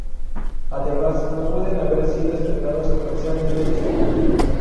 Además, no pueden haber sido estrenadas comercialmente en España.